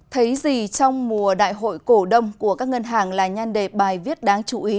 thấy gì trong mùa đại hội cổ đông của các ngân hàng là nhan đề bài viết đáng chú ý